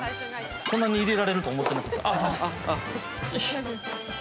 ◆こんなに入れられると思ってなかった。